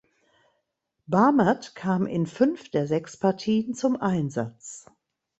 Bamert kam in fünf der sechs Partien zum Einsatz.